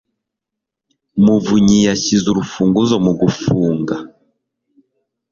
muvunyi yashyize urufunguzo mugufunga.